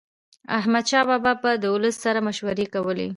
احمدشاه بابا به د ولس سره مشورې کولي.